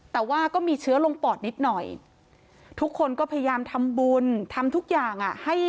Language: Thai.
แต่ว่าก็มีเชื้อลงปอดนิดหน่อยทุกคนก็พยายามทำบุญทำทุกอย่างให้